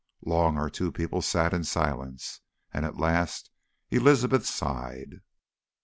Long our two people sat in silence, and at last Elizabeth sighed.